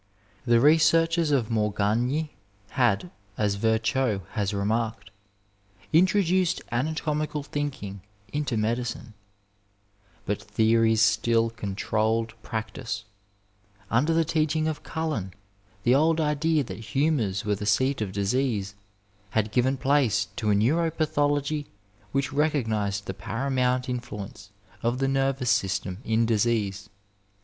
The researches of Morgagni had, as Virchow has remarked, introduced anatomical thinldng into medicine. But theories still controlled practice. Under the teaching of Cullen, the old idea that humours were the seat of disease had given place to a neuxo Digitized by Google MEDICINE m THE NINETEENTH CENTURY patliol<^ which recognized the paramount influence of the nervous system in disease.